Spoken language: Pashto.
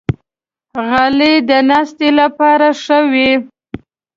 غلۍ د ناستې لپاره ښه وي.